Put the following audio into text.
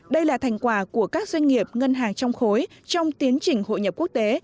đây là thành quả của các doanh nghiệp ngân hàng trong khối trong tiến trình hội nhập quốc tế